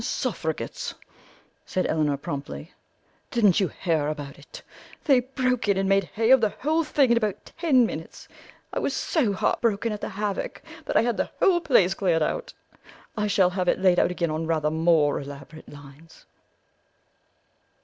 "Suffragettes," said Elinor promptly; "didn't you hear about it? They broke in and made hay of the whole thing in about ten minutes. I was so heart broken at the havoc that I had the whole place cleared out; I shall have it laid out again on rather more elaborate lines."